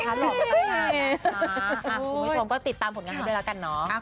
คุณผู้ชมก็ติดตามผลงานให้ด้วยแล้วกันเนาะ